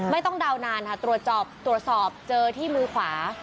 เดานานค่ะตรวจสอบตรวจสอบเจอที่มือขวา